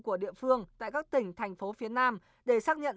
của địa phương tại các tỉnh thành phố phía nam để xác nhận